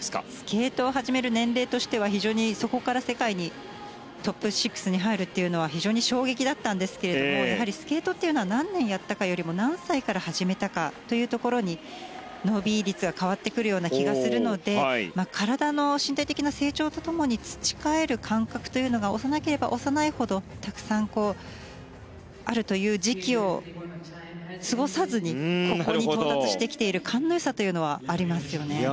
スケートを始める年齢としては、そこから世界にトップ６に入るというのは衝撃だったんですがスケートというのは何年やったかよりも何歳から始めたかで伸び率が変わってくるような気がするので体の身体的な成長とともに培える感覚というのが幼ければ幼いほどたくさんあるという時期を過ごさずにここに到達している勘のよさというのはありますよね。